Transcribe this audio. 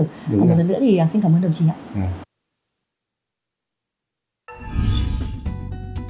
một lần nữa thì xin cảm ơn đồng chí ạ